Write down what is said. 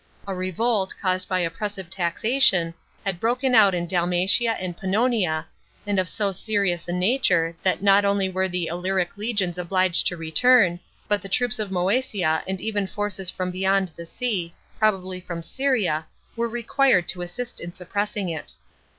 A revolt, caused by oppressive taxation, had broken out in Dalmatia and Pannonia, and of so serious a nature that not only were the Illyric legions obliged to return, but the troops of Mcesia and even forces from beyond the sea (probably from Syria) were required to assist in suppressing it.